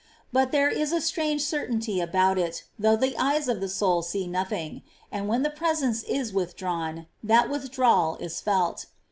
But there is a strange certainty about it, though the eyes of the soul see nothing ; and when the Presence is withdrawn, that with drawal is felt.